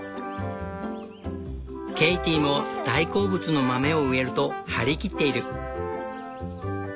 ケイティも「大好物の豆を植える」と張り切っている。